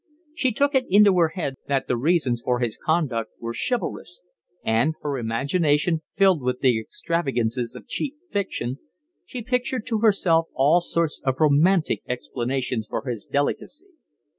She took it into her head that the reasons for his conduct were chivalrous; and, her imagination filled with the extravagances of cheap fiction, she pictured to herself all sorts of romantic explanations for his delicacy.